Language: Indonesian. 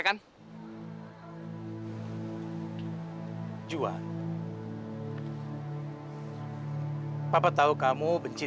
kalo misalnya'll kok mau pindahin umur hidupku bukit dua